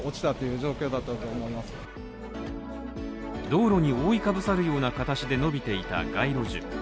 道路に覆いかぶさるような形で伸びていた街路樹。